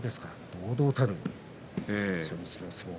堂々たる初日の相撲。